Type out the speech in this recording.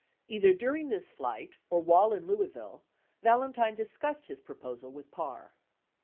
Either during this flight, or while in Louisville, Valentine dis cussed his proposal with Parr.